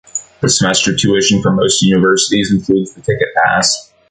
The semester tuition for most universities include the ticket pass.